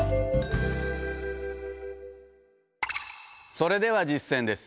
それでは実践です。